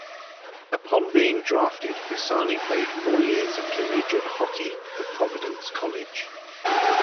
Upon being drafted, Pisani played four years of collegiate hockey for Providence College.